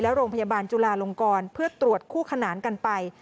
และโรงพยาบาลจุลาลงกรเพื่อตรวจคู่ขนานกันไป